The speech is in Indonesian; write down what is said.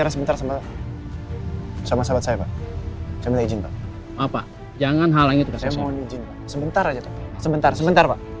sebentar sebentar pak